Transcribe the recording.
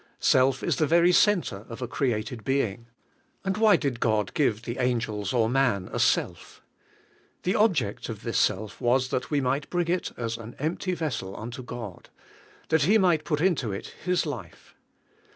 Self is the very center of a created being. And why did God give the angels or man a self? The object of this self was that we might bring it as an empty vessel unto God; that He might put into it His life.